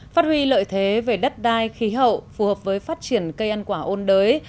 phát huy lợi thế về đất đai khí hậu phù hợp với phát triển cây ăn quả ôn đới